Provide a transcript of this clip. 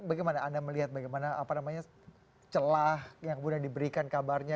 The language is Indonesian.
bagaimana anda melihat bagaimana celah yang kemudian diberikan kabarnya